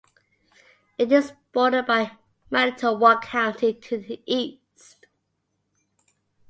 It is bordered by Manitowoc County to the east.